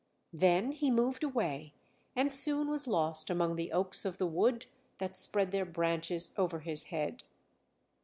Then he moved away, and soon was lost among the oaks of the wood that spread their branches over his head.